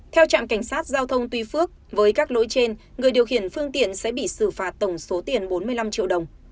theo trạm cảnh sát giao thông tuy phước với các lỗi trên người điều khiển phương tiện sẽ bị xử phạt tổng số tiền bốn mươi năm triệu đồng